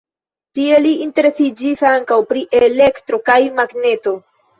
Tie li interesiĝis ankaŭ pri elektro kaj magneto.